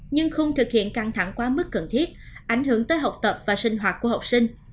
nhưng không thực hiện căng thẳng quá mức cần thiết ảnh hưởng tới học tập và sinh hoạt của học sinh